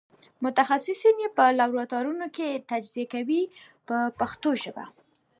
متخصصین یې په لابراتوارونو کې تجزیه کوي په پښتو ژبه.